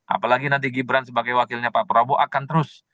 apalagi nanti gibran sebagai wakilnya pak prabowo akan terus